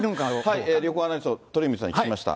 旅行アナリストの鳥海さんに聞きました。